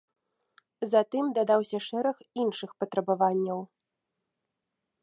Затым дадаўся шэраг іншых патрабаванняў.